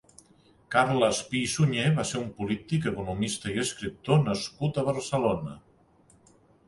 Carles Pi i Sunyer va ser un polític, economista i escriptor nascut a Barcelona.